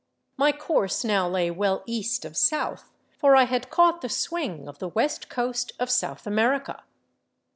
My course now lay well east of south, for I had caught the swing of the west coast of South America.